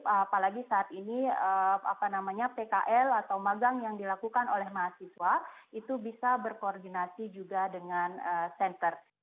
apalagi saat ini pkl atau magang yang dilakukan oleh mahasiswa itu bisa berkoordinasi juga dengan center